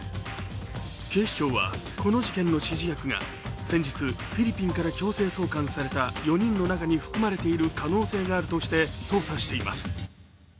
警視庁はこの事件の指示役が先日フィリピンから強制送還された４人の中に含まれている可能性があるとして捜査しています。